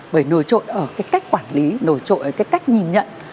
bởi nổi trội ở cái cách quản lý nổi trội cái cách nhìn nhận